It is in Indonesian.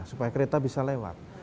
supaya kereta bisa lewat